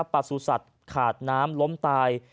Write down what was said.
ปลาสูสัตว์ขาดน้ำล้มตาย